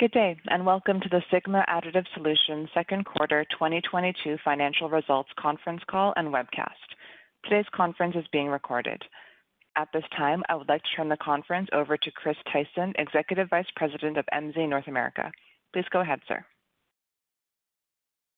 Good day, and welcome to the Sigma Additive Solutions second quarter 2022 financial results conference call and webcast. Today's conference is being recorded. At this time, I would like to turn the conference over to Chris Tyson, Executive Vice President of MZ North America. Please go ahead, sir.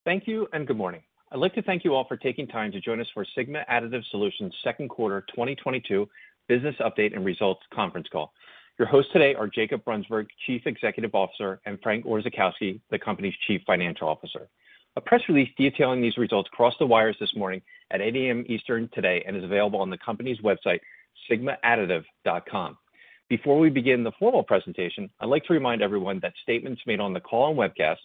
Thank you, and good morning. I'd like to thank you all for taking time to join us for Sigma Additive Solutions second quarter 2022 business update and results conference call. Your hosts today are Jacob Brunsberg, Chief Executive Officer; and Frank Orzechowski, the company's Chief Financial Officer. A press release detailing these results crossed the wires this morning at 8:00 A.M. Eastern today and is available on the company's website, sigmaadditive.com. Before we begin the formal presentation, I'd like to remind everyone that statements made on the call and webcast,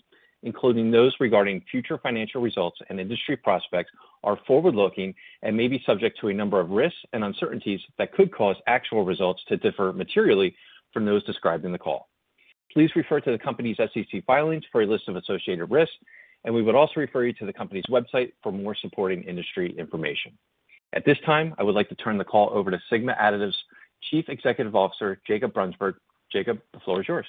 including those regarding future financial results and industry prospects, are forward-looking and may be subject to a number of risks and uncertainties that could cause actual results to differ materially from those described in the call. Please refer to the company's SEC filings for a list of associated risks, and we would also refer you to the company's website for more supporting industry information. At this time, I would like to turn the call over to Sigma Additive's Chief Executive Officer, Jacob Brunsberg. Jacob, the floor is yours.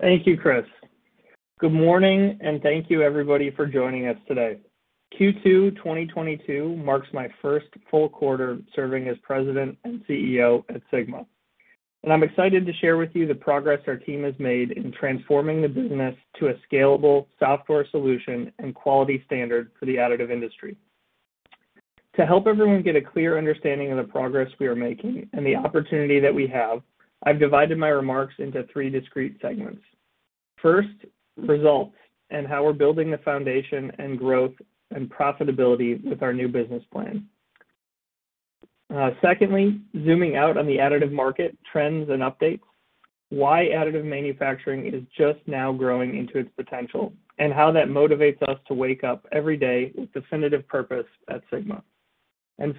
Thank you, Chris. Good morning, and thank you everybody for joining us today. Q2 2022 marks my first full quarter serving as President and CEO at Sigma, and I'm excited to share with you the progress our team has made in transforming the business to a scalable software solution and quality standard for the additive industry. To help everyone get a clear understanding of the progress we are making and the opportunity that we have, I've divided my remarks into three discrete segments. First, results and how we're building the foundation and growth and profitability with our new business plan. Secondly, zooming out on the additive market trends and updates, why additive manufacturing is just now growing into its potential, and how that motivates us to wake up every day with definitive purpose at Sigma.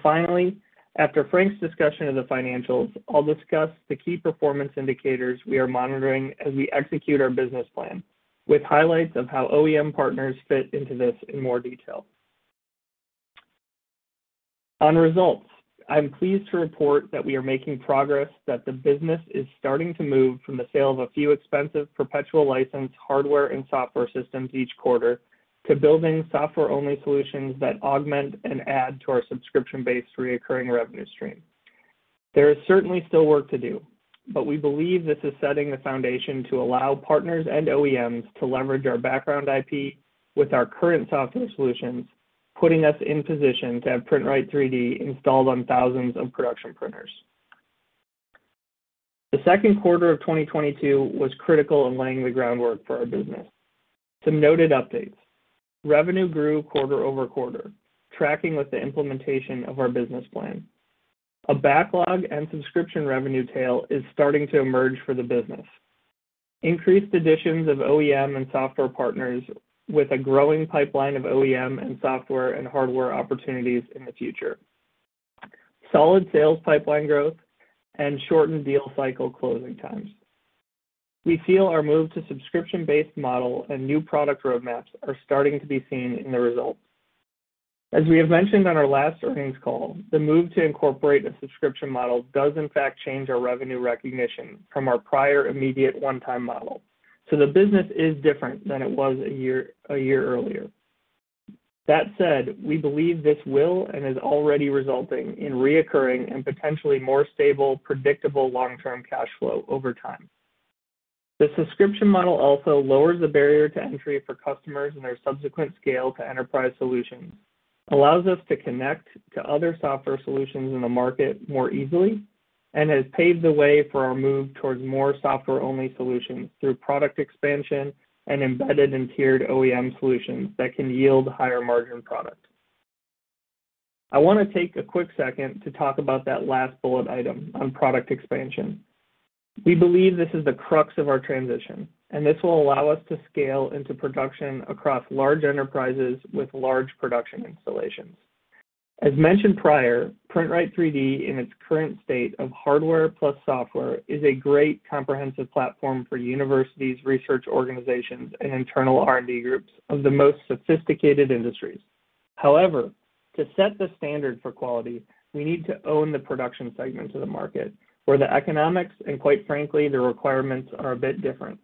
Finally, after Frank's discussion of the financials, I'll discuss the key performance indicators we are monitoring as we execute our business plan, with highlights of how OEM partners fit into this in more detail. On results, I'm pleased to report that we are making progress, that the business is starting to move from the sale of a few expensive perpetual license hardware and software systems each quarter to building software-only solutions that augment and add to our subscription-based recurring revenue stream. There is certainly still work to do, but we believe this is setting the foundation to allow partners and OEMs to leverage our background IP with our current software solutions, putting us in position to have PrintRite3D installed on thousands of production printers. The second quarter of 2022 was critical in laying the groundwork for our business. Some notable updates. Revenue grew quarter over quarter, tracking with the implementation of our business plan. A backlog and subscription revenue tail is starting to emerge for the business. Increased additions of OEM and software partners with a growing pipeline of OEM and software and hardware opportunities in the future. Solid sales pipeline growth and shortened deal cycle closing times. We feel our move to subscription-based model and new product roadmaps are starting to be seen in the results. As we have mentioned on our last earnings call, the move to incorporate a subscription model does in fact change our revenue recognition from our prior immediate one-time model. The business is different than it was a year earlier. That said, we believe this will and is already resulting in recurring and potentially more stable, predictable long-term cash flow over time. The subscription model also lowers the barrier to entry for customers and their subsequent scale to enterprise solutions, allows us to connect to other software solutions in the market more easily and has paved the way for our move towards more software-only solutions through product expansion and embedded and tiered OEM solutions that can yield higher margin products. I want to take a quick second to talk about that last bullet item on product expansion. We believe this is the crux of our transition, and this will allow us to scale into production across large enterprises with large production installations. As mentioned prior, PrintRite3D in its current state of hardware plus software is a great comprehensive platform for universities, research organizations and internal R&D groups of the most sophisticated industries. However, to set the standard for quality, we need to own the production segment to the market where the economics and quite frankly, the requirements are a bit different.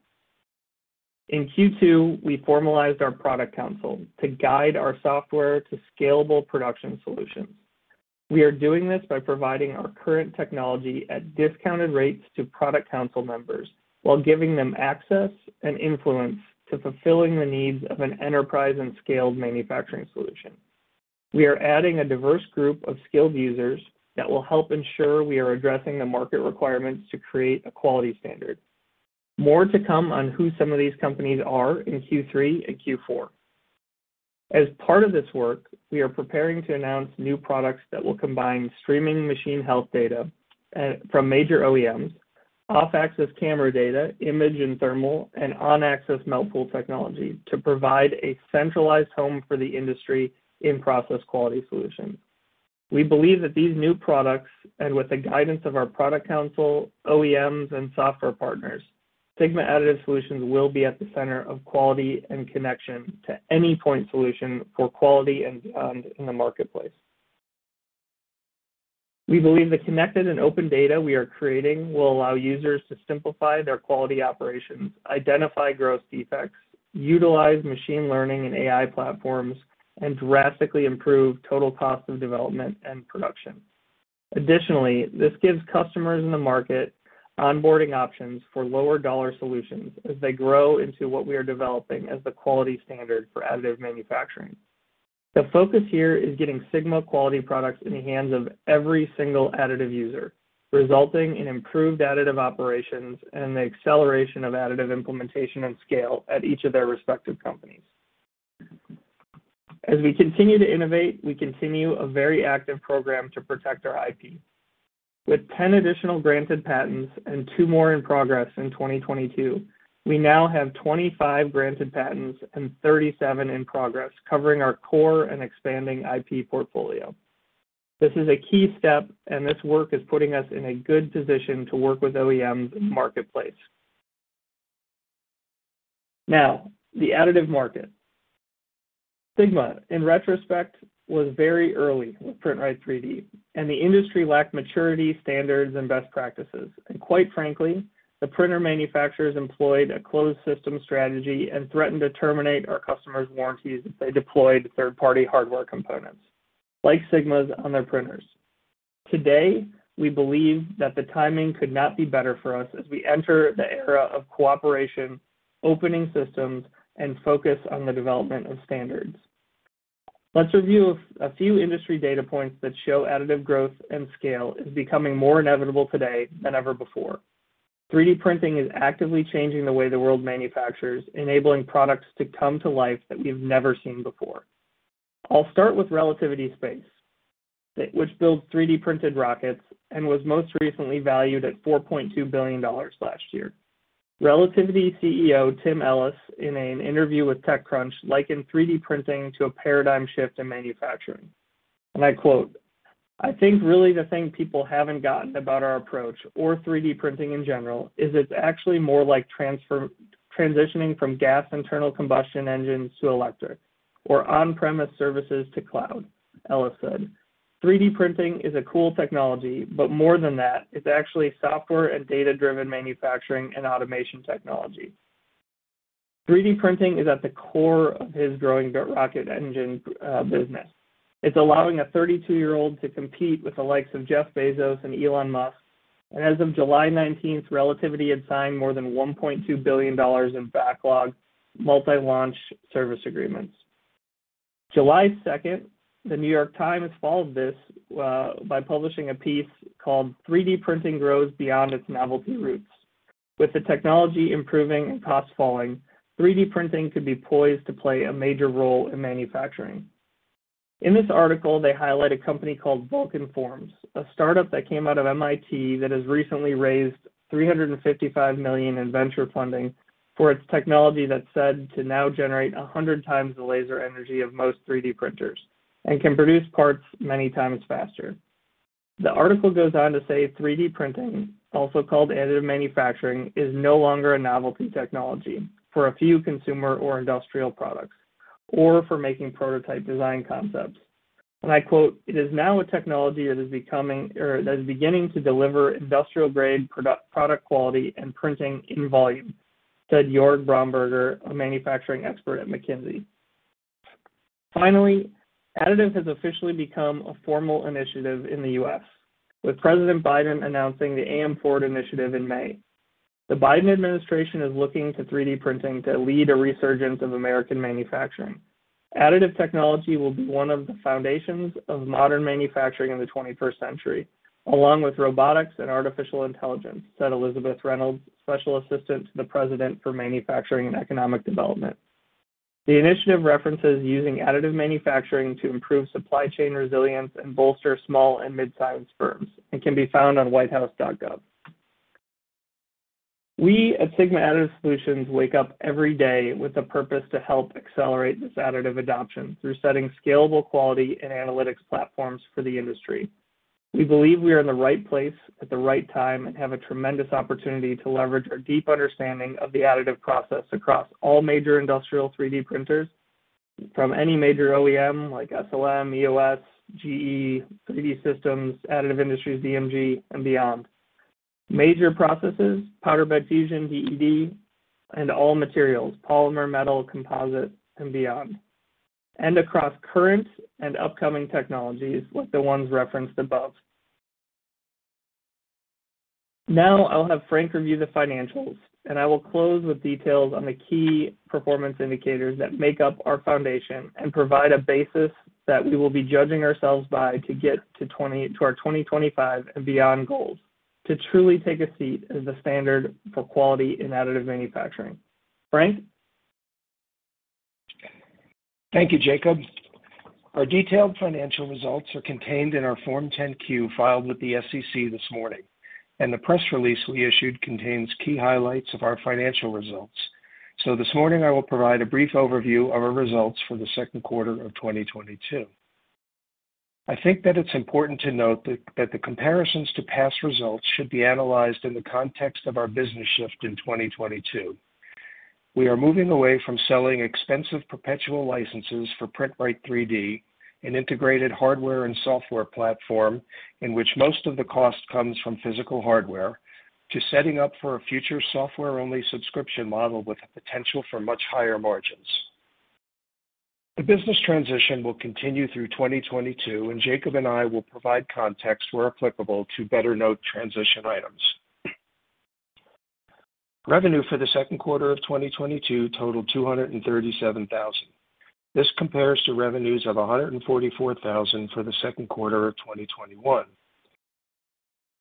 In Q2, we formalized our product council to guide our software to scalable production solutions. We are doing this by providing our current technology at discounted rates to product council members while giving them access and influence to fulfilling the needs of an enterprise and scaled manufacturing solution. We are adding a diverse group of skilled users that will help ensure we are addressing the market requirements to create a quality standard. More to come on who some of these companies are in Q3 and Q4. As part of this work, we are preparing to announce new products that will combine streaming machine health data from major OEMs, off-axis camera data, image and thermal, and on-axis melt pool technology to provide a centralized home for the industry in process quality solutions. We believe that these new products, and with the guidance of our product council, OEMs and software partners, Sigma Additive Solutions will be at the center of quality and connection to any point solution for quality and in the marketplace. We believe the connected and open data we are creating will allow users to simplify their quality operations, identify gross defects, utilize machine learning and AI platforms, and drastically improve total cost of development and production. Additionally, this gives customers in the market onboarding options for lower dollar solutions as they grow into what we are developing as the quality standard for additive manufacturing. The focus here is getting Sigma quality products in the hands of every single additive user, resulting in improved additive operations and the acceleration of additive implementation and scale at each of their respective companies. As we continue to innovate, we continue a very active program to protect our IP. With 10 additional granted patents and two more in progress in 2022, we now have 25 granted patents and 37 in progress covering our core and expanding IP portfolio. This is a key step, and this work is putting us in a good position to work with OEMs in the marketplace. Now, the additive market. Sigma, in retrospect, was very early with PrintRite3D, and the industry lacked maturity, standards, and best practices. Quite frankly, the printer manufacturers employed a closed system strategy and threatened to terminate our customers' warranties if they deployed third-party hardware components like Sigma's on their printers. Today, we believe that the timing could not be better for us as we enter the era of cooperation, opening systems, and focus on the development of standards. Let's review a few industry data points that show additive growth and scale is becoming more inevitable today than ever before. 3D printing is actively changing the way the world manufactures, enabling products to come to life that we've never seen before. I'll start with Relativity Space, which builds 3D printed rockets and was most recently valued at $4.2 billion last year. Relativity CEO Tim Ellis, in an interview with TechCrunch, likened 3D printing to a paradigm shift in manufacturing. I quote, "I think really the thing people haven't gotten about our approach or 3D printing in general is it's actually more like transfer, transitioning from gas internal combustion engines to electric or on-premise services to cloud," Ellis said. "3D printing is a cool technology, but more than that, it's actually software and data-driven manufacturing and automation technology." 3D printing is at the core of his growing rocket engine business. It's allowing a 32-year-old to compete with the likes of Jeff Bezos and Elon Musk. As of July 19th, Relativity had signed more than $1.2 billion in backlog multi-launch service agreements. July 2nd, The New York Times followed this by publishing a piece called 3D Printing Grows Beyond Its Novelty Roots. With the technology improving and costs falling, 3D printing could be poised to play a major role in manufacturing. In this article, they highlight a company called VulcanForms, a startup that came out of MIT that has recently raised $355 million in venture funding for its technology that's said to now generate 100 times the laser energy of most 3D printers and can produce parts many times faster. The article goes on to say 3D printing, also called additive manufacturing, is no longer a novelty technology for a few consumer or industrial products or for making prototype design concepts. I quote, "It is now a technology that is becoming or that is beginning to deliver industrial-grade product quality and printing in volume," said Jörg Bromberger, a manufacturing expert at McKinsey. Finally, additive has officially become a formal initiative in the U.S., with President Biden announcing the AM Forward initiative in May. The Biden administration is looking to 3D printing to lead a resurgence of American manufacturing. "Additive technology will be one of the foundations of modern manufacturing in the twenty-first century, along with robotics and artificial intelligence," said Elisabeth Reynolds, Special Assistant to the President for Manufacturing and Economic Development. The initiative references using additive manufacturing to improve supply chain resilience and bolster small and mid-sized firms and can be found on whitehouse.gov. We at Sigma Additive Solutions wake up every day with the purpose to help accelerate this additive adoption through setting scalable quality and analytics platforms for the industry. We believe we are in the right place at the right time and have a tremendous opportunity to leverage our deep understanding of the additive process across all major industrial 3D printers from any major OEM like SLM, EOS, GE, 3D Systems, Additive Industries, DMG, and beyond. Major processes, Powder Bed Fusion, DED, and all materials, polymer, metal, composite, and beyond, and across current and upcoming technologies like the ones referenced above. Now I'll have Frank review the financials, and I will close with details on the key performance indicators that make up our foundation and provide a basis that we will be judging ourselves by to get to our 2025 and beyond goals to truly take a seat as the standard for quality in additive manufacturing. Frank? Thank you, Jacob. Our detailed financial results are contained in our Form 10-Q filed with the SEC this morning, and the press release we issued contains key highlights of our financial results. This morning, I will provide a brief overview of our results for the second quarter of 2022. I think that it's important to note that the comparisons to past results should be analyzed in the context of our business shift in 2022. We are moving away from selling expensive perpetual licenses for PrintRite3D, an integrated hardware and software platform in which most of the cost comes from physical hardware, to setting up for a future software-only subscription model with the potential for much higher margins. The business transition will continue through 2022, and Jacob and I will provide context where applicable to better note transition items. Revenue for the second quarter of 2022 totaled $237,000. This compares to revenues of $144,000 for the second quarter of 2021.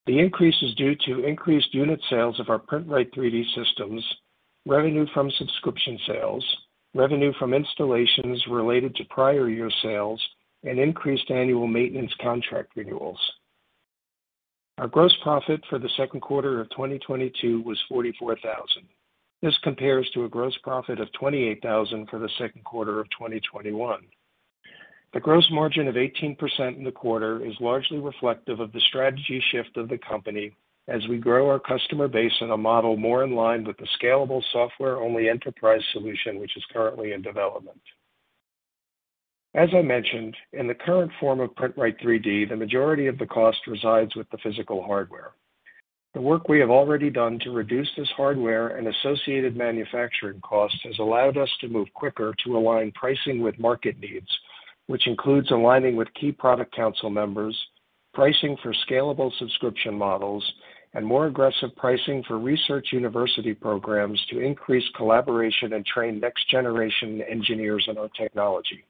The increase is due to increased unit sales of our PrintRite3D systems, revenue from subscription sales, revenue from installations related to prior year sales, and increased annual maintenance contract renewals. Our gross profit for the second quarter of 2022 was $44,000. This compares to a gross profit of $28,000 for the second quarter of 2021. The gross margin of 18% in the quarter is largely reflective of the strategy shift of the company as we grow our customer base on a model more in line with the scalable software-only enterprise solution, which is currently in development. As I mentioned, in the current form of PrintRite3D, the majority of the cost resides with the physical hardware. The work we have already done to reduce this hardware and associated manufacturing costs has allowed us to move quicker to align pricing with market needs, which includes aligning with key product council members, pricing for scalable subscription models, and more aggressive pricing for research university programs to increase collaboration and train next generation engineers in our technology.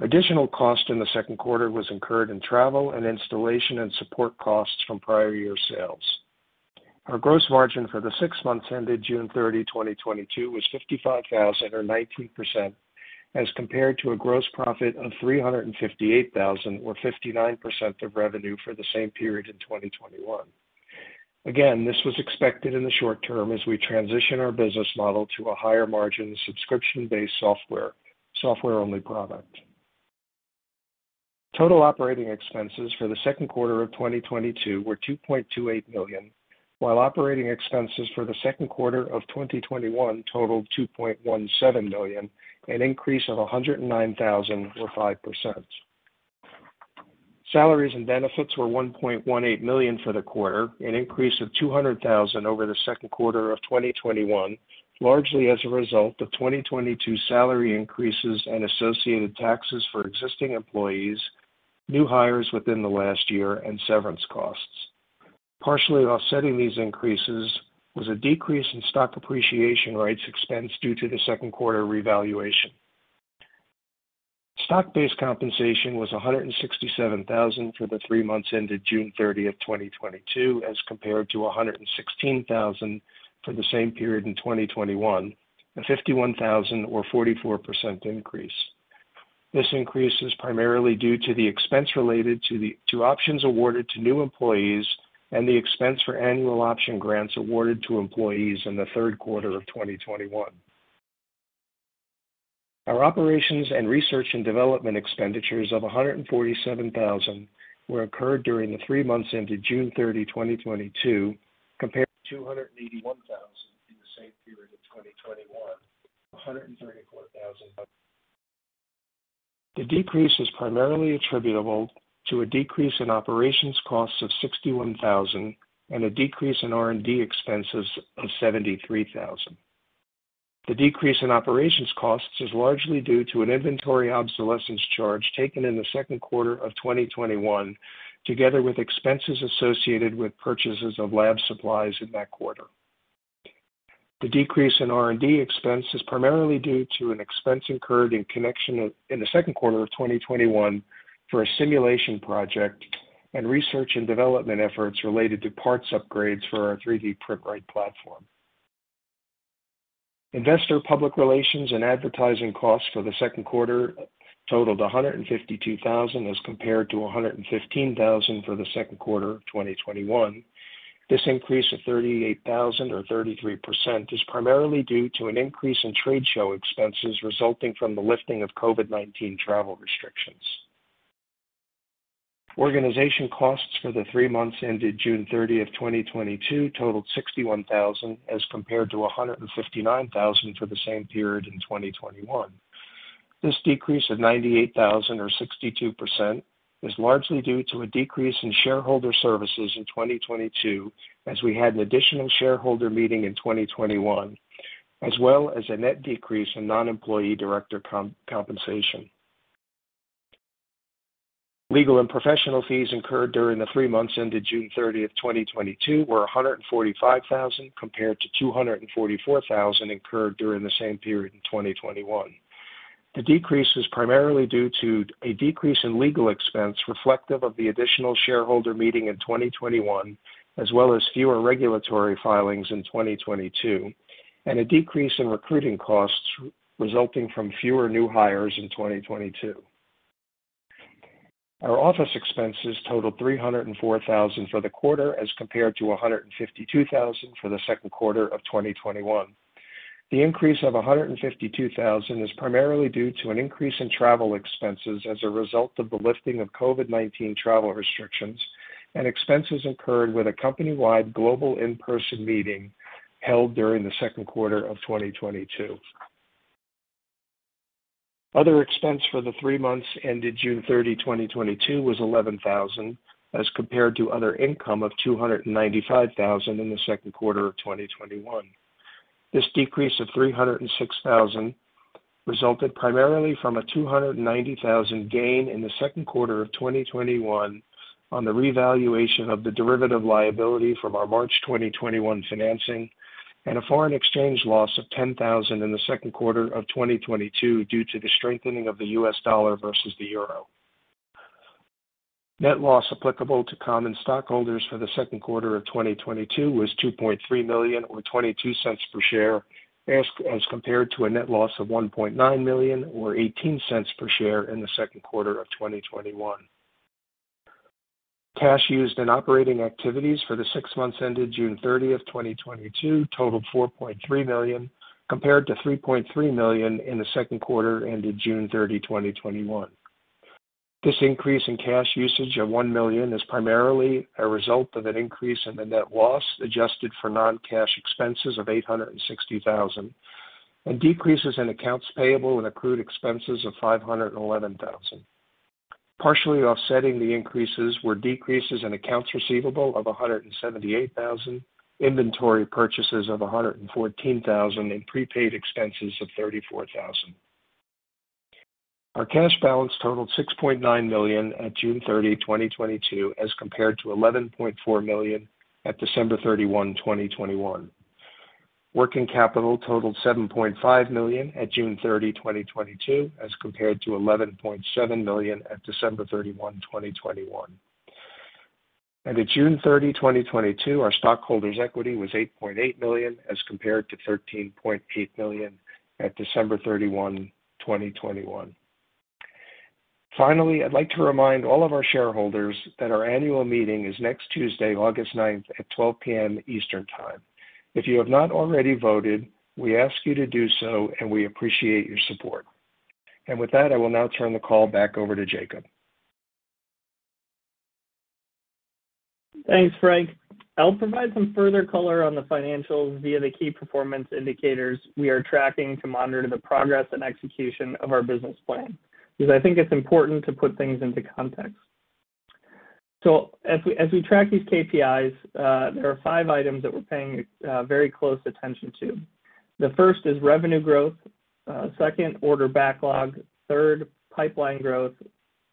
Additional cost in the second quarter was incurred in travel and installation and support costs from prior year sales. Our gross margin for the six months ended June 30, 2022 was $55,000 or 19% as compared to a gross profit of $358,000 or 59% of revenue for the same period in 2021. Again, this was expected in the short term as we transition our business model to a higher margin subscription-based software-only product. Total operating expenses for the second quarter of 2022 were $2.28 million, while operating expenses for the second quarter of 2021 totaled $2.17 million, an increase of $109,000 or 5%. Salaries and benefits were $1.18 million for the quarter, an increase of $200,000 over the second quarter of 2021, largely as a result of 2022 salary increases and associated taxes for existing employees, new hires within the last year and severance costs. Partially offsetting these increases was a decrease in stock appreciation rights expense due to the second quarter revaluation. Stock-based compensation was $167,000 for the three months ended June 30th, 2022, as compared to $116,000 for the same period in 2021, a $51,000 or 44% increase. This increase is primarily due to the expense related to options awarded to new employees and the expense for annual option grants awarded to employees in the third quarter of 2021. Our operations and research and development expenditures of $147,000 were incurred during the three months ended June 30, 2022, compared to $281,000 in the same period of 2021, a $134,000. The decrease is primarily attributable to a decrease in operations costs of $61,000 and a decrease in R&D expenses of $73,000. The decrease in operations costs is largely due to an inventory obsolescence charge taken in the second quarter of 2021, together with expenses associated with purchases of lab supplies in that quarter. The decrease in R&D expense is primarily due to an expense incurred in the second quarter of 2021 for a simulation project and research and development efforts related to parts upgrades for our 3D PrintRite platform. Investor public relations and advertising costs for the second quarter totaled $152,000 as compared to $115,000 for the second quarter of 2021. This increase of $38,000 or 33% is primarily due to an increase in trade show expenses resulting from the lifting of COVID-19 travel restrictions. Organization costs for the three months ended June 30th, 2022 totaled $61,000 as compared to $159,000 for the same period in 2021. This decrease of $98,000 or 62% is largely due to a decrease in shareholder services in 2022, as we had an additional shareholder meeting in 2021, as well as a net decrease in non-employee director compensation. Legal and professional fees incurred during the three months ended June 30th, 2022 were $145,000 compared to $244,000 incurred during the same period in 2021. The decrease is primarily due to a decrease in legal expense reflective of the additional shareholder meeting in 2021, as well as fewer regulatory filings in 2022, and a decrease in recruiting costs resulting from fewer new hires in 2022. Our office expenses totaled $304,000 for the quarter as compared to $152,000 for the second quarter of 2021. The increase of $152,000 is primarily due to an increase in travel expenses as a result of the lifting of COVID-19 travel restrictions and expenses incurred with a company-wide global in-person meeting held during the second quarter of 2022. Other expense for the three months ended June 30, 2022 was $11,000, as compared to other income of $295,000 in the second quarter of 2021. This decrease of $306,000 resulted primarily from a $290,000 gain in the second quarter of 2021 on the revaluation of the derivative liability from our March 2021 financing, and a foreign exchange loss of $10,000 in the second quarter of 2022 due to the strengthening of the U.S. dollar versus the euro. Net loss applicable to common stockholders for the second quarter of 2022 was $2.3 million or $0.22 per share, as compared to a net loss of $1.9 million or $0.18 per share in the second quarter of 2021. Cash used in operating activities for the six months ended June 30, 2022 totaled $4.3 million, compared to $3.3 million in the second quarter ended June 30, 2021. This increase in cash usage of $1 million is primarily a result of an increase in the net loss, adjusted for non-cash expenses of $860,000, and decreases in accounts payable and accrued expenses of $511,000. Partially offsetting the increases were decreases in accounts receivable of $178,000, inventory purchases of $114,000, and prepaid expenses of $34,000. Our cash balance totaled $6.9 million at June 30, 2022, as compared to $11.4 million at December 31, 2021. Working capital totaled $7.5 million at June 30, 2022, as compared to $11.7 million at December 31, 2021. At June 30, 2022, our stockholders' equity was $8.8 million, as compared to $13.8 million at December 31, 2021. Finally, I'd like to remind all of our shareholders that our annual meeting is next Tuesday, August 9th, at 12:00 P.M. Eastern Time. If you have not already voted, we ask you to do so, and we appreciate your support. With that, I will now turn the call back over to Jacob. Thanks, Frank. I'll provide some further color on the financials via the key performance indicators we are tracking to monitor the progress and execution of our business plan, because I think it's important to put things into context. As we track these KPIs, there are five items that we're paying very close attention to. The first is revenue growth, second, order backlog, third, pipeline growth,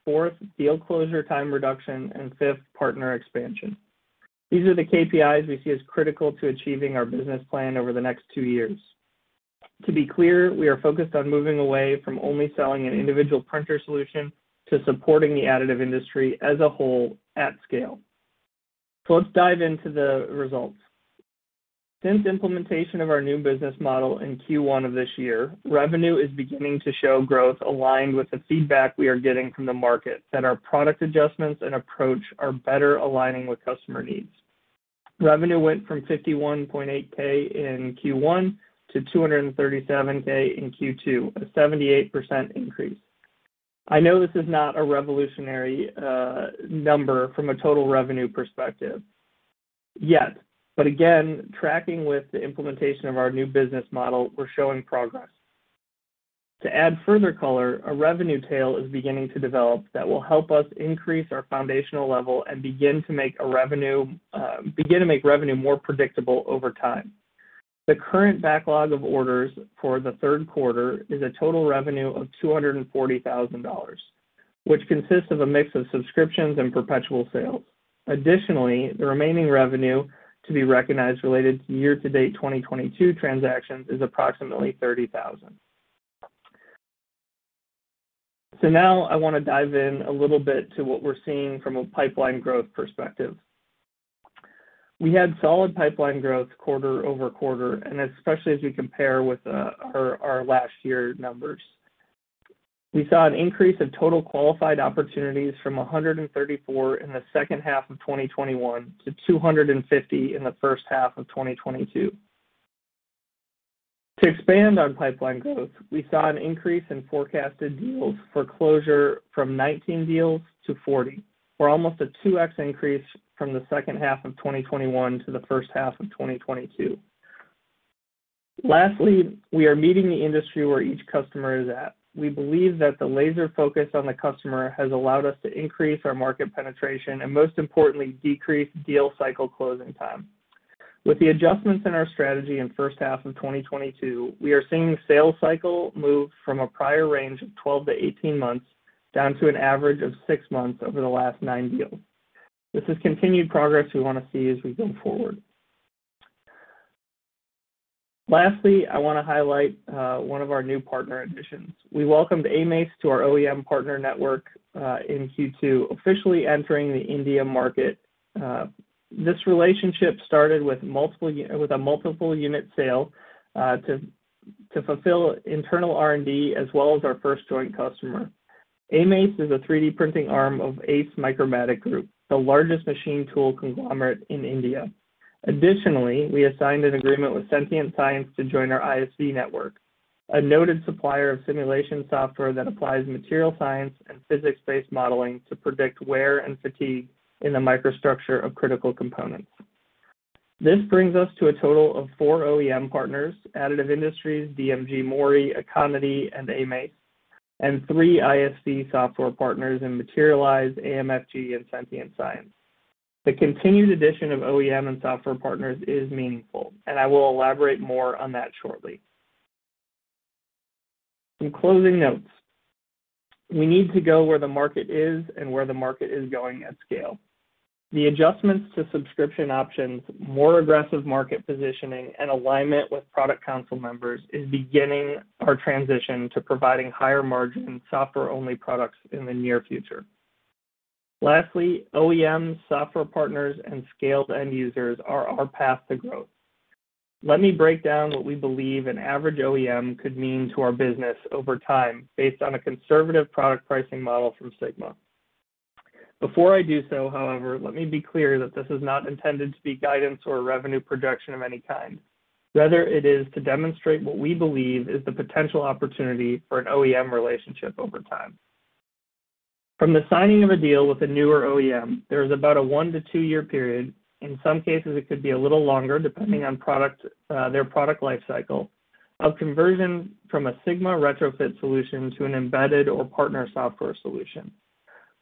fourth, deal closure time reduction, and fifth, partner expansion. These are the KPIs we see as critical to achieving our business plan over the next two years. To be clear, we are focused on moving away from only selling an individual printer solution to supporting the additive industry as a whole at scale. Let's dive into the results. Since implementation of our new business model in Q1 of this year, revenue is beginning to show growth aligned with the feedback we are getting from the market that our product adjustments and approach are better aligning with customer needs. Revenue went from $51,800 in Q1 to $237,000 in Q2, a 78% increase. I know this is not a revolutionary number from a total revenue perspective yet. Again, tracking with the implementation of our new business model, we're showing progress. To add further color, a revenue tail is beginning to develop that will help us increase our foundational level and begin to make revenue more predictable over time. The current backlog of orders for the third quarter is a total revenue of $240,000, which consists of a mix of subscriptions and perpetual sales. Additionally, the remaining revenue to be recognized related to year-to-date 2022 transactions is approximately $30,000. Now I want to dive in a little bit to what we're seeing from a pipeline growth perspective. We had solid pipeline growth quarter-over-quarter, and especially as we compare with our last year numbers. We saw an increase in total qualified opportunities from 134 in the second half of 2021 to 250 in the first half of 2022. To expand on pipeline growth, we saw an increase in forecasted deals for closure from 19 deals to 40. For almost a 2x increase from the second half of 2021 to the first half of 2022. Lastly, we are meeting the industry where each customer is at. We believe that the laser focus on the customer has allowed us to increase our market penetration and most importantly, decrease deal cycle closing time. With the adjustments in our strategy in first half of 2022, we are seeing the sales cycle move from a prior range of 12-18 months down to an average of six months over the last nine deals. This is continued progress we want to see as we go forward. Lastly, I want to highlight one of our new partner additions. We welcomed amace to our OEM partner network in Q2, officially entering the India market. This relationship started with a multiple unit sale to fulfill internal R&D as well as our first joint customer, amace is a 3D printing arm of Ace Micromatic Group, the largest machine tool conglomerate in India. Additionally, we assigned an agreement with Sentient Science to join our ISV network. A noted supplier of simulation software that applies material science and physics-based modeling to predict wear and fatigue in the microstructure of critical components. This brings us to a total of four OEM partners, Additive Industries, DMG MORI, Aconity3D, and amace, and three ISV software partners in Materialise, AMFG, and Sentient Science. The continued addition of OEM and software partners is meaningful, and I will elaborate more on that shortly. Some closing notes. We need to go where the market is and where the market is going at scale. The adjustments to subscription options, more aggressive market positioning, and alignment with product council members is beginning our transition to providing higher margin software-only products in the near future. Lastly, OEM software partners and scaled end users are our path to growth. Let me break down what we believe an average OEM could mean to our business over time based on a conservative product pricing model from Sigma. Before I do so, however, let me be clear that this is not intended to be guidance or revenue projection of any kind. Rather, it is to demonstrate what we believe is the potential opportunity for an OEM relationship over time. From the signing of a deal with a newer OEM, there is about a one to two-year period, in some cases, it could be a little longer depending on product, their product life cycle, of conversion from a Sigma retrofit solution to an embedded or partner software solution.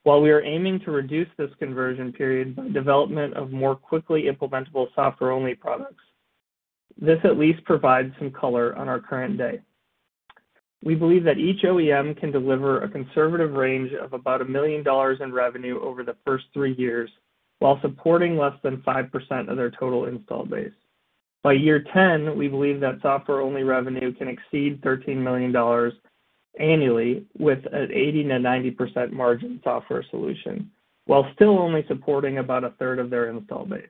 While we are aiming to reduce this conversion period by development of more quickly implementable software-only products, this at least provides some color on our current day. We believe that each OEM can deliver a conservative range of about $1 million in revenue over the first three years while supporting less than 5% of their total install base. By year 10, we believe that software-only revenue can exceed $13 million annually with an 80%-90% margin software solution, while still only supporting about a third of their install base.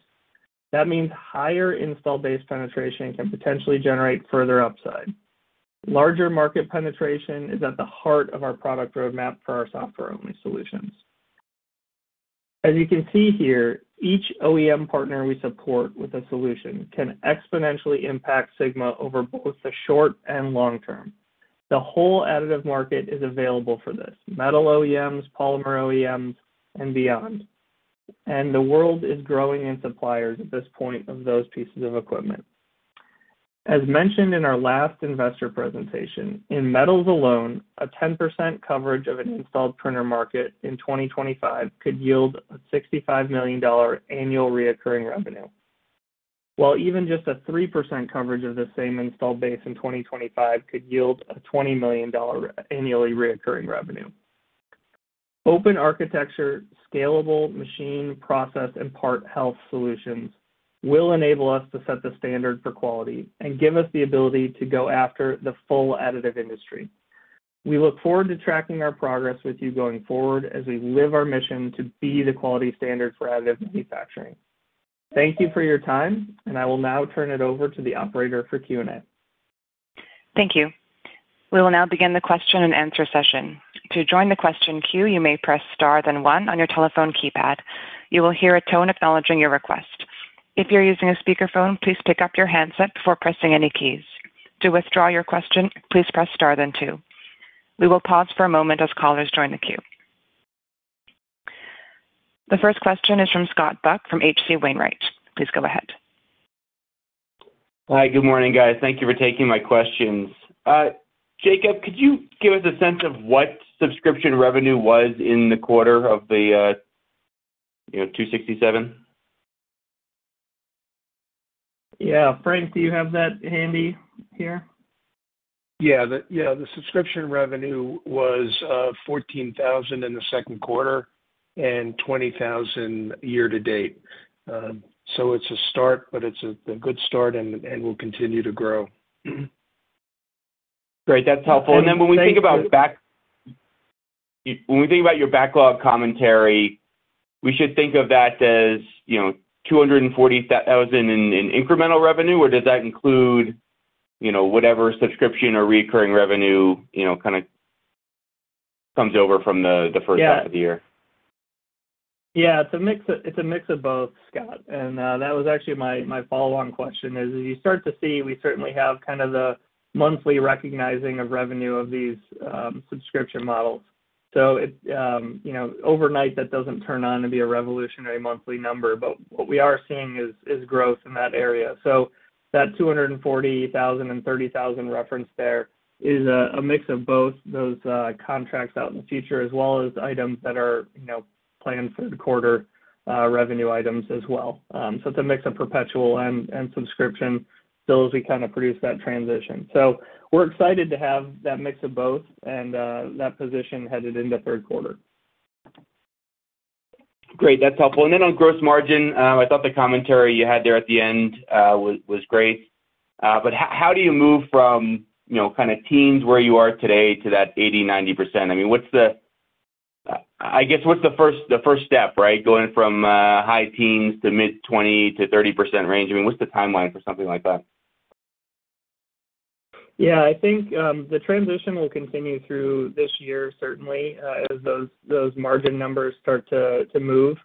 That means higher installed base penetration can potentially generate further upside. Larger market penetration is at the heart of our product roadmap for our software-only solutions. As you can see here, each OEM partner we support with a solution can exponentially impact Sigma over both the short and long term. The whole additive market is available for this, metal OEMs, polymer OEMs, and beyond. The world is growing in suppliers at this point of those pieces of equipment. As mentioned in our last investor presentation, in metals alone, a 10% coverage of an installed printer market in 2025 could yield a $65 million annual recurring revenue. While even just a 3% coverage of the same installed base in 2025 could yield a $20 million annually recurring revenue. Open architecture, scalable machine process, and part health solutions will enable us to set the standard for quality and give us the ability to go after the full additive industry. We look forward to tracking our progress with you going forward as we live our mission to be the quality standard for additive manufacturing. Thank you for your time, and I will now turn it over to the operator for Q&A. Thank you. We will now begin the question and answer session. To join the question queue, you may press star then one on your telephone keypad. You will hear a tone acknowledging your request. If you're using a speakerphone, please pick up your handset before pressing any keys. To withdraw your question, please press star then two. We will pause for a moment as callers join the queue. The first question is from Scott Buck from H.C. Wainwright. Please go ahead. Hi. Good morning, guys. Thank you for taking my questions. Jacob, could you give us a sense of what subscription revenue was in the quarter of the, you know, 267? Yeah. Frank, do you have that handy here? The subscription revenue was $14,000 in the second quarter and $20,000 year to date. It's a start, but it's a good start and will continue to grow. Great. That's helpful. When we think about your backlog commentary, we should think of that as, you know, $240,000 in incremental revenue, or does that include, you know, whatever subscription or recurring revenue, you know, kinda comes over from the first- Yeah. Half of the year? Yeah. It's a mix of both, Scott. That was actually my follow-on question is, as you start to see, we certainly have kind of the monthly recognition of revenue of these subscription models. It you know, overnight, that doesn't turn out to be a revolutionary monthly number. What we are seeing is growth in that area. That $240,000 and $30,000 referenced there is a mix of both those contracts out in the future, as well as items that are you know, planned for the quarter, revenue items as well. It's a mix of perpetual and subscription. As we kind of pursue that transition. We're excited to have that mix of both and that position headed into third quarter. Great. That's helpful. On gross margin, I thought the commentary you had there at the end was great. How do you move from, you know, kinda teens where you are today to that 80%-90%? I mean, what's the first step, right? Going from high teens to mid-20%-30% range. I mean, what's the timeline for something like that? Yeah. I think the transition will continue through this year, certainly, as those margin numbers start to move.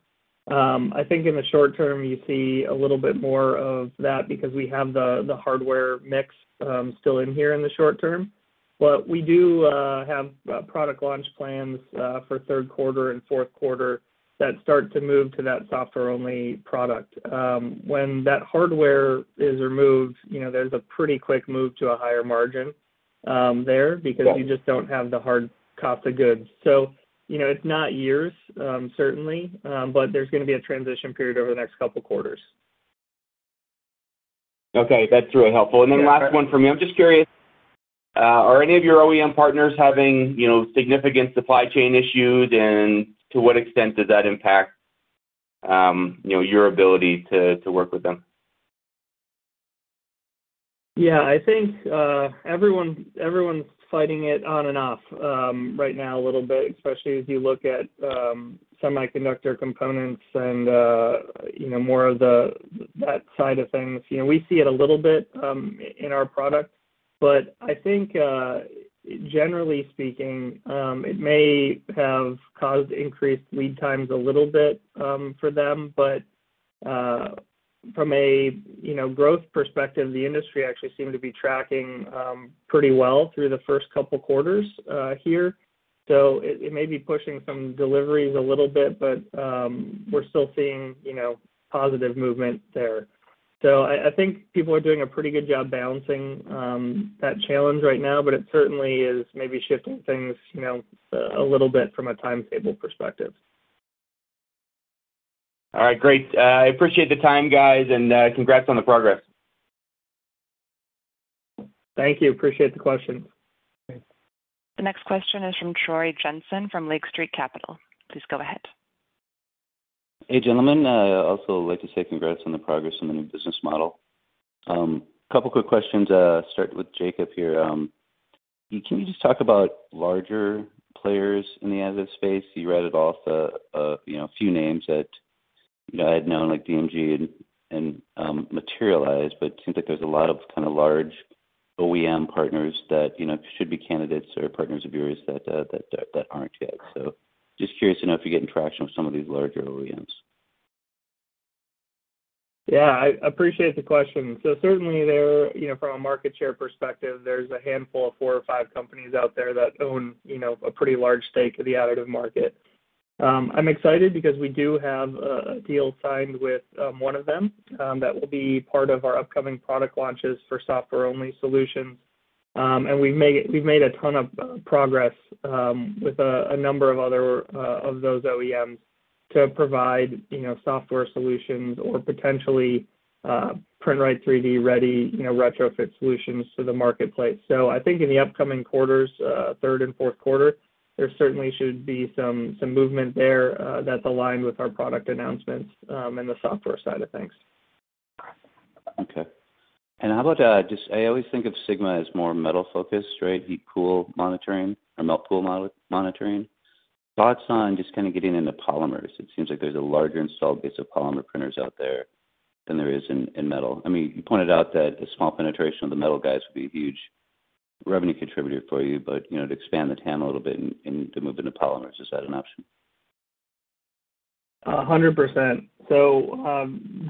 I think in the short term, you see a little bit more of that because we have the hardware mix still in here in the short term. We do have product launch plans for third quarter and fourth quarter that start to move to that software-only product. When that hardware is removed, you know, there's a pretty quick move to a higher margin there because you just don't have the hardware cost of goods. You know, it's not years, certainly, but there's going to be a transition period over the next couple quarters. Okay. That's really helpful. Yeah. Last one for me. I'm just curious, are any of your OEM partners having, you know, significant supply chain issues? To what extent does that impact, you know, your ability to work with them? Yeah. I think everyone's fighting it on and off right now, a little bit, especially as you look at semiconductor components and you know more of that side of things. You know, we see it a little bit in our product. I think generally speaking it may have caused increased lead times a little bit for them. From a you know growth perspective, the industry actually seemed to be tracking pretty well through the first couple quarters here. It may be pushing some deliveries a little bit, but we're still seeing you know positive movement there. I think people are doing a pretty good job balancing that challenge right now, but it certainly is maybe shifting things you know a little bit from a timetable perspective. All right, great. I appreciate the time, guys, and congrats on the progress. Thank you. Appreciate the question. Thanks. The next question is from Troy Jensen from Lake Street Capital. Please go ahead. Hey, gentlemen. Also like to say congrats on the progress on the new business model. Couple of quick questions. Start with Jacob here. Can you just talk about larger players in the additive space? You read it off, you know, a few names that, you know, I had known like DMG and Materialise, but it seems like there's a lot of kind of large OEM partners that, you know, should be candidates or partners of yours that aren't yet. So just curious to know if you're getting traction with some of these larger OEMs. Yeah, I appreciate the question. Certainly there, you know, from a market share perspective, there's a handful of four or five companies out there that own, you know, a pretty large stake of the additive market. I'm excited because we do have a deal signed with one of them that will be part of our upcoming product launches for software-only solutions. We've made a ton of progress with a number of other of those OEMs to provide, you know, software solutions or potentially PrintRite3D-ready, you know, retrofit solutions to the marketplace. I think in the upcoming quarters, third and fourth quarter, there certainly should be some movement there that's aligned with our product announcements in the software side of things. Okay. How about, just I always think of Sigma as more metal-focused, right? Melt pool monitoring. Thoughts on just kind of getting into polymers. It seems like there's a larger install base of polymer printers out there than there is in metal. I mean, you pointed out that the small penetration of the metal guys would be a huge revenue contributor for you, but, you know, to expand the TAM a little bit and to move into polymers, is that an option? 100%.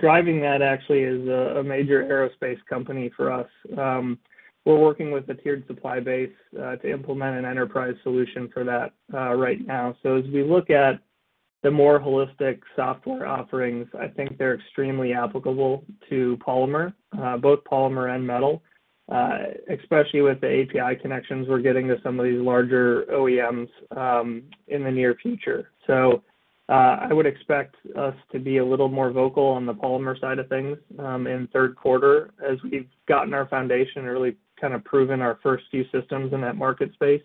Driving that actually is a major aerospace company for us. We're working with a tiered supply base to implement an enterprise solution for that right now. As we look at the more holistic software offerings, I think they're extremely applicable to polymer, both polymer and metal, especially with the API connections we're getting to some of these larger OEMs in the near future. I would expect us to be a little more vocal on the polymer side of things in third quarter as we've gotten our foundation and really kind of proven our first few systems in that market space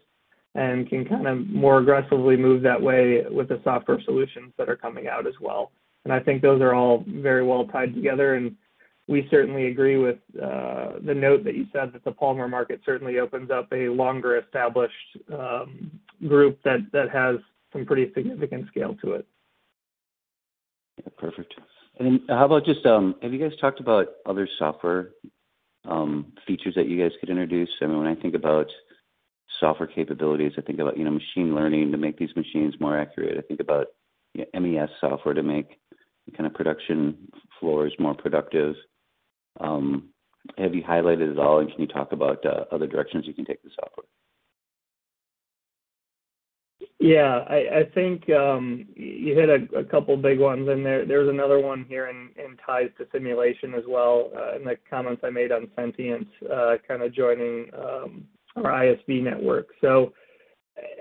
and can kind of more aggressively move that way with the software solutions that are coming out as well. I think those are all very well tied together, and we certainly agree with the note that you said that the polymer market certainly opens up a longer established group that has some pretty significant scale to it. Perfect. How about just have you guys talked about other software features that you guys could introduce? I mean, when I think about software capabilities, I think about, you know, machine learning to make these machines more accurate. I think about MES software to make kind of production floors more productive. Have you highlighted at all, and can you talk about other directions you can take the software? Yeah. I think you hit a couple of big ones in there. There's another one here in ties to simulation as well, in the comments I made on Sentient Science, kind of joining our ISV network.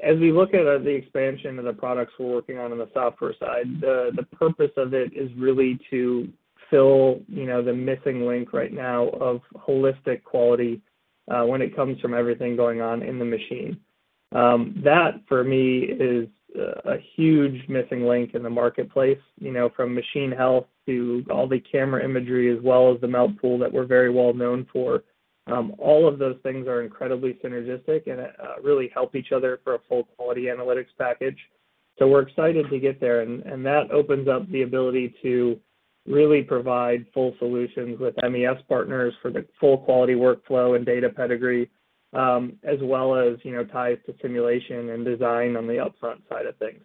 As we look at the expansion of the products we're working on in the software side, the purpose of it is really to fill, you know, the missing link right now of holistic quality, when it comes from everything going on in the machine. That, for me, is a huge missing link in the marketplace, you know, from machine health to all the camera imagery, as well as the melt pool that we're very well known for. All of those things are incredibly synergistic and really help each other for a full quality analytics package. We're excited to get there. That opens up the ability to really provide full solutions with MES partners for the full quality workflow and data pedigree, as well as, you know, ties to simulation and design on the upfront side of things.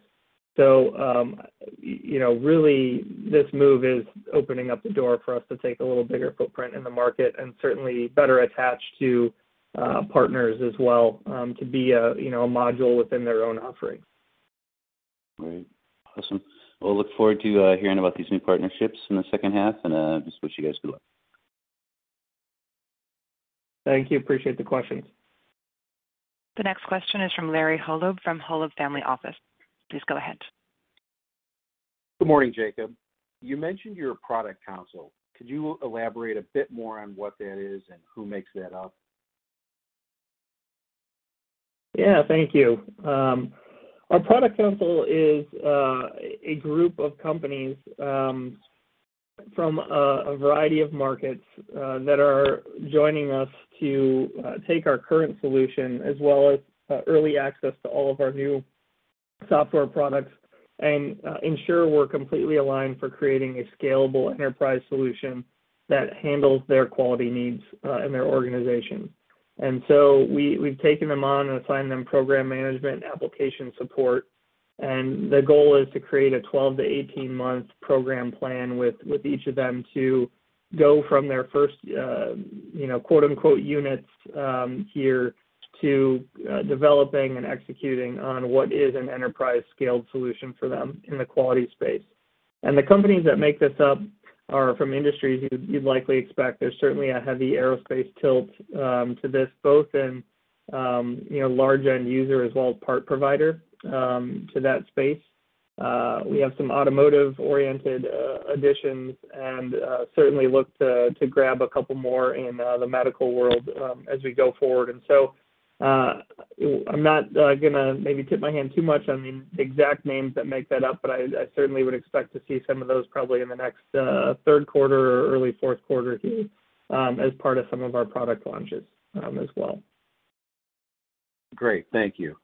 You know, really this move is opening up the door for us to take a little bigger footprint in the market and certainly better attached to partners as well, to be a, you know, a module within their own offerings. Great. Awesome. We'll look forward to hearing about these new partnerships in the second half, and just wish you guys good luck. Thank you. Appreciate the question. The next question is from Larry Holub from Holub Family Office. Please go ahead. Good morning, Jacob. You mentioned your product council. Could you elaborate a bit more on what that is and who makes that up? Yeah, thank you. Our product council is a group of companies from a variety of markets that are joining us to take our current solution as well as early access to all of our new software products and ensure we're completely aligned for creating a scalable enterprise solution that handles their quality needs in their organization. We've taken them on and assigned them program management application support. The goal is to create a 12- to 18-month program plan with each of them to go from their first, you know, quote-unquote, units here to developing and executing on what is an enterprise scaled solution for them in the quality space. The companies that make this up are from industries you'd likely expect. There's certainly a heavy aerospace tilt to this, both in you know, large end user as well as part provider to that space. We have some automotive-oriented additions and certainly look to grab a couple more in the medical world as we go forward. I'm not gonna maybe tip my hand too much on the exact names that make that up, but I certainly would expect to see some of those probably in the next third quarter or early fourth quarter here as part of some of our product launches as well. Great. Thank you.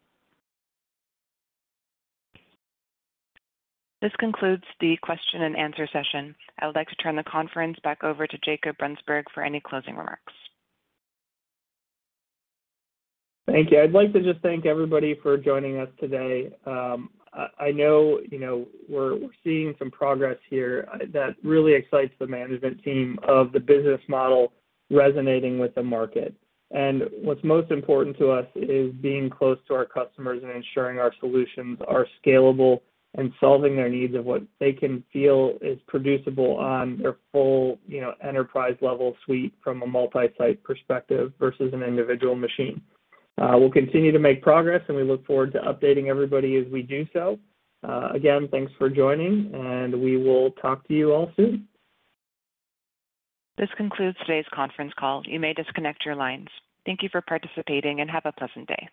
This concludes the question and answer session. I would like to turn the conference back over to Jacob Brunsberg for any closing remarks. Thank you. I'd like to just thank everybody for joining us today. I know, you know, we're seeing some progress here that really excites the management team of the business model resonating with the market. What's most important to us is being close to our customers and ensuring our solutions are scalable and solving their needs of what they can feel is producible on their full, you know, enterprise-level suite from a multi-site perspective versus an individual machine. We'll continue to make progress, and we look forward to updating everybody as we do so. Again, thanks for joining, and we will talk to you all soon. This concludes today's conference call. You may disconnect your lines. Thank you for participating, and have a pleasant day.